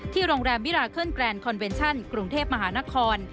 โรงแรมมิราเคิลแกรนคอนเวนชั่นกรุงเทพมหานคร